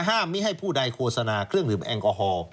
ห้ามไม่ให้ผู้ใดโฆษณาเครื่องลืมแองกอฮอล์